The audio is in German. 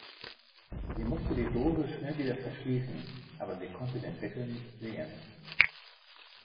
Sie musste die Dose schnell wieder verschließen, aber sie konnte den Deckel nicht sehen.